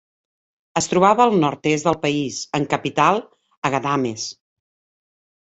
Es trobava al nord-oest del país, amb capital a Ghadames.